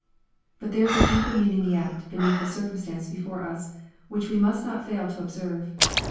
But there is a deeper meaning yet beneath the circum stance before us, which we must not fail to observe.